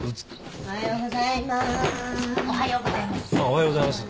おはようございます。